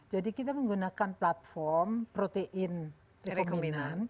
jadi kita menggunakan platform protein rekominan